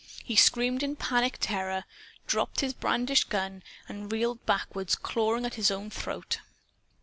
He screamed in panic terror, dropped his brandished gun and reeled backward, clawing at his own throat.